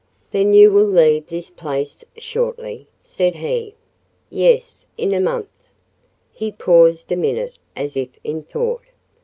"Then you will leave this place shortly?" said he. "Yes, in a month." He paused a minute, as if in thought.